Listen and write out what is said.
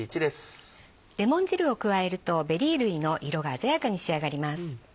レモン汁を加えるとベリー類の色が鮮やかに仕上がります。